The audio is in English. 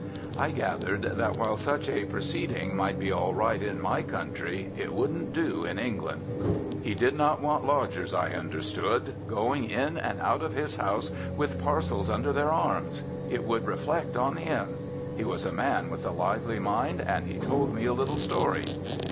I gathered that while such a proceeding might be all right in my country it wouldn't do in England. He did not want lodgers, I understood, going in and out of his house with parcels under their arms. It would reflect on him. He was a man with a lively mind, and he told me a little story.